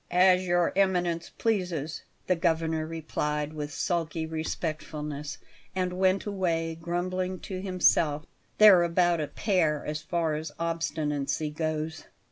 "As Your Eminence pleases," the Governor replied with sulky respectfulness; and went away, grumbling to himself: "They're about a pair, as far as obstinacy goes."